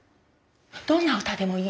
どんな歌でもいい。